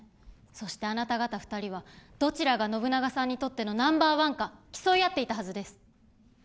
そしてあなた方２人はどちらが信長さんにとってのナンバーワンか競い合っていたはずです。